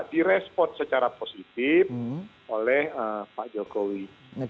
direspon secara positif oleh pak jokowi